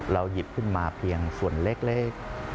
หยิบขึ้นมาเพียงส่วนเล็ก